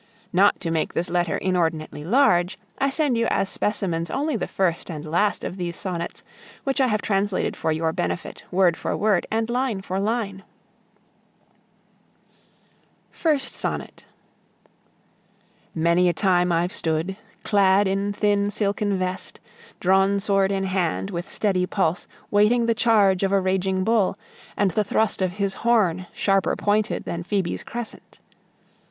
Not to make this letter inordinately large, I send you as specimens only the first and last of these sonnets, which I have translated for your benefit, word for word, and line for line: FIRST SONNET Many a time I've stood, clad in thin silken vest, Drawn sword in hand, with steady pulse, Waiting the charge of a raging bull, And the thrust of his horn, sharper pointed than Phoebe's crescent.